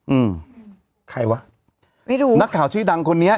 อืมใครวะไม่รู้นักข่าวชื่อดังคนนี้